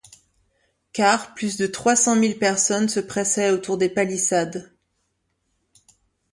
car plus de trois cent mille personnes se pressaient autour des palissades.